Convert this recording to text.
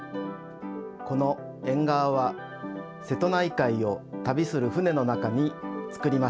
このえんがわは瀬戸内海を旅する船の中につくりました。